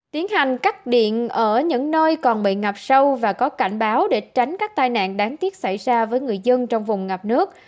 tiến hành cắt điện ở những nơi còn bị ngập sâu và có cảnh báo để tránh các tai nạn đáng tiếc xảy ra với người dân trong vùng ngập nước